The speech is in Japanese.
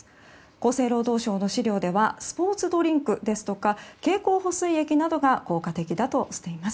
厚生労働省の資料ではスポーツドリンクですとか経口補水液などが効果的だとしています。